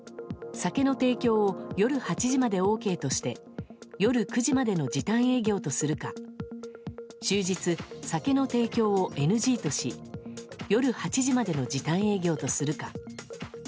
酒の提供を夜８時までＯＫとして夜９時までの時短営業とするか終日、酒の提供をＮＧとし夜８時までの時短営業とするか。